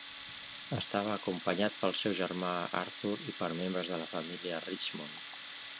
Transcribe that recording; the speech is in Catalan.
Estava acompanyat pel seu germà Arthur i per membres de la família Richmond.